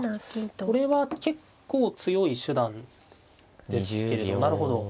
これは結構強い手段ですけれどなるほど。